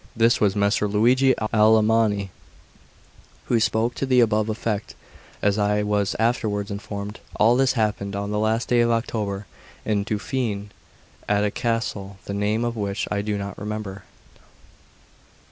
This was Messer Luigi Alamanni who spoke to the above effect, as I was afterwards informed. All this happened on the last day of October, in Dauphiné, at a castle the name of which I do not remember.